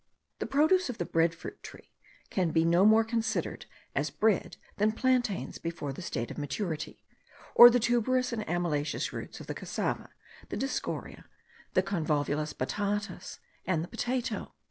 The produce of the bread fruit tree can no more be considered as bread than plantains before the state of maturity, or the tuberous and amylaceous roots of the cassava, the dioscorea, the Convolvulus batatas, and the potato.